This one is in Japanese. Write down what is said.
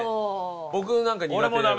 僕なんか苦手で。